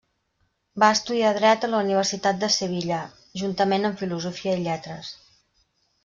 Va estudiar dret a la Universitat de Sevilla, juntament amb filosofia i lletres.